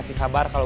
saya juga mau jalan